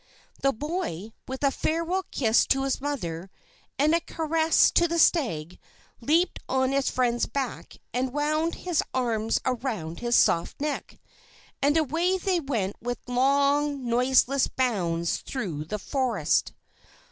The boy, with a farewell kiss to his mother, and a caress to the stag, leaped on his friend's back, and wound his arms around his soft neck. And away they went with long, noiseless bounds through the forest.